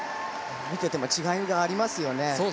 見ていても違いがありますよね。